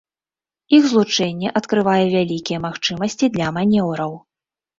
Іх злучэнне адкрывае вялікія магчымасці для манеўраў.